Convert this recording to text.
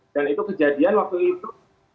dan itu kejadian waktu itu